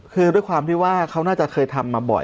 คือด้วยความที่ว่าเขาน่าจะเคยทำมาบ่อย